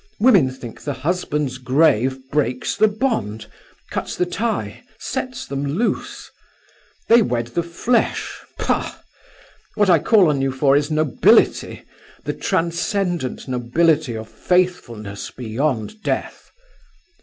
Women think the husband's grave breaks the bond, cuts the tie, sets them loose. They wed the flesh pah! What I call on you for is nobility; the transcendent nobility of faithfulness beyond death.